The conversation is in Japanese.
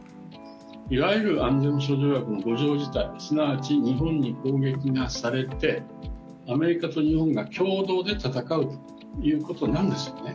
いわゆる安全保障の５条事態、日本が攻撃されて、アメリカと日本が協同で戦うということなんですよね。